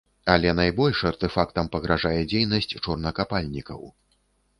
Але найбольш артэфактам пагражае дзейнасць чорнакапальнікаў.